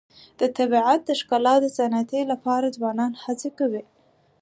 د طبیعت د ښکلا د ساتنې لپاره ځوانان هڅې کوي.